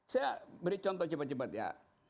saya beri contoh cepat cepat ya